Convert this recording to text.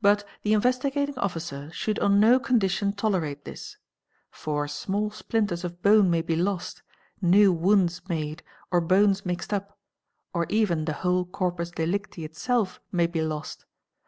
But the Investi — gating Officer should on no condition tolerate this; for small splinters of bone may be lost, new wounds made, or bones mixed up, or even the whole corpus delicti itself may be lost.